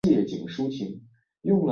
河畔的捣衣声